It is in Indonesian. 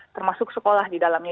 termasuk sekolah di dalamnya